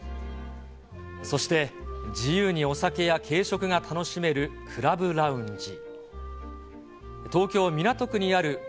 そして自由にお酒や軽食が楽しめるクラブラウンジ。